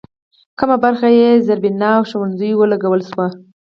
کمه برخه یې پر زېربنا او ښوونځیو ولګول شوه.